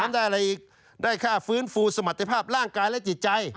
ได้อะไรอีกได้ค่าฟื้นฟูสมรรถภาพร่างกายและจิตใจ